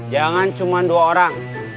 jangan cuma dua orang